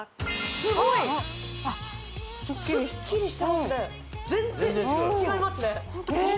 すごいスッキリしてますね全然違いますね